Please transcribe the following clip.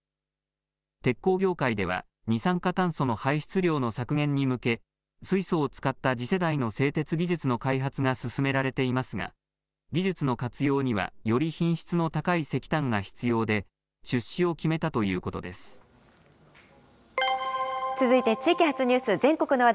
鉄鋼業界では、二酸化炭素の排出量の削減に向け、水素を使った次世代の製鉄技術の開発が進められていますが、技術の活用にはより品質の高い石炭が必要で、出資を決めたということ続いて地域発ニュース、全国